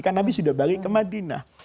karena nabi sudah balik ke madinah